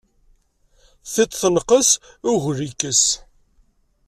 Tiṭ tenqes, ugel ikkes.